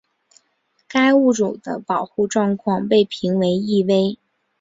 该物种的保护状况被评为易危。